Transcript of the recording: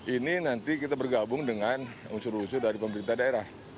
ini nanti kita bergabung dengan unsur unsur dari pemerintah daerah